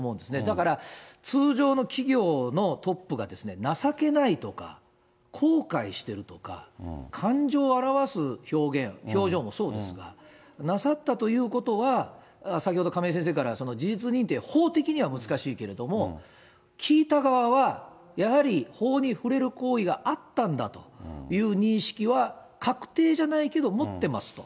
だから、通常の企業のトップが情けないとか、後悔しているとか、感情を表す表現、表情もそうですが、なさったということは、先ほど亀井先生から、事実認定、法的には難しいけれども、聞いた側は、やはり法に触れる行為があったんだという認識は、確定じゃないけど持ってますと。